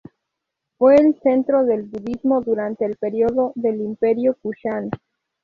Fue el centro del Budismo durante el periodo del Imperio Kushan.